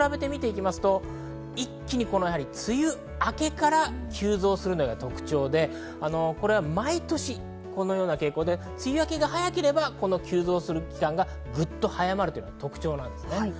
一気に梅雨明けから急増するのが特徴で、毎年このような傾向で梅雨明けが早ければ急増する期間が早くなるのが特徴的なんですね。